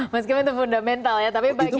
meskipun itu fundamental ya tapi bagi investor ya